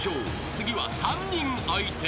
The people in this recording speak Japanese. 次は３人相手］